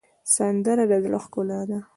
سندره د زړه ښکلا ده